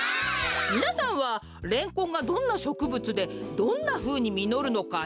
みなさんはレンコンがどんなしょくぶつでどんなふうにみのるのかしってますか？